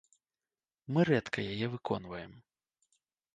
Мы рэдка яе выконваем.